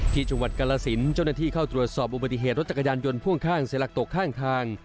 ที่จังหวัดกาลสินเจ้าหน้าที่เข้าตรวจสอบอุบัติเหตุรถจักรยานยนต์พ่วงข้างเสียหลักตกข้างทาง